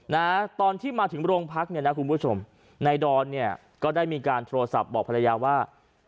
นะตอนที่มาถึงโรงพักเนี่ยนะคุณผู้ชมนายดอนเนี่ยก็ได้มีการโทรศัพท์บอกภรรยาว่า